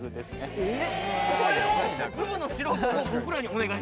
えっ？